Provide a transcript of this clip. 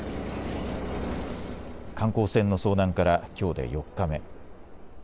観光船の遭難からきょうで４日目。